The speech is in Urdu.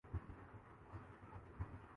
دیکھنا جائے تو زمانہ قدیم جو وقت منظم کھیتی باڑی